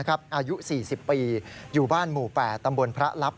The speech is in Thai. อายุ๔๐ปีอยู่บ้านหมู่๘ตำบลพระลับ